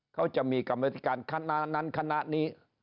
เขาจะมีกรรมธิการคณะนั้นคณะนี้